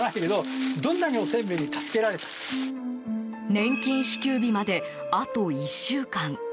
年金支給日まであと１週間。